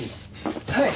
はい。